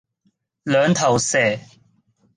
兩頭蛇